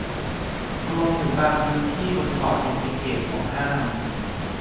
รวมถึงบางพื้นที่บนเกาะยังเป็นเขตหวงห้าม